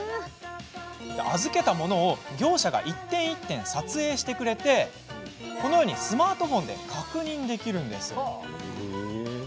預けたものを業者が一点一点撮影してくれてこのようにスマートフォンで確認できます。